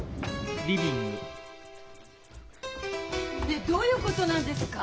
ねえどういうことなんですか？